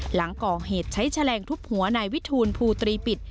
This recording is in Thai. หลังก่อเหตุใช้แฉลงทุบหัวนายวิทูลภูตรีปิด